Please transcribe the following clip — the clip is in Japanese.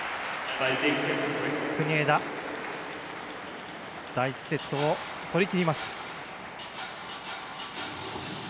国枝、第１セットを取りきります。